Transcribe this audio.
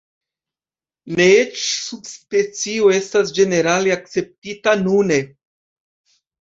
Ne eĉ subspecioj estas ĝenerale akceptitaj nune.